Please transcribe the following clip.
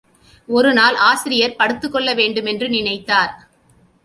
ஒரு நாள் ஆசிரியர் படுத்துக் கொள்ள வேண்டுமென்று நினைத்தார்.